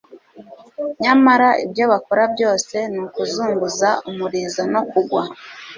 nyamara ibyo bakora byose ni ukuzunguza umurizo no kugwa